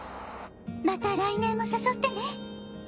また来年も誘ってね瑠璃。